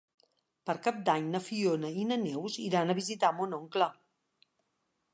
Per Cap d'Any na Fiona i na Neus iran a visitar mon oncle.